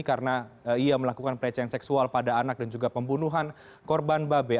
karena ia melakukan pelecehan seksual pada anak dan juga pembunuhan korban babe